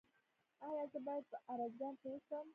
ایا زه باید په ارزګان کې اوسم؟